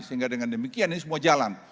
sehingga dengan demikian ini semua jalan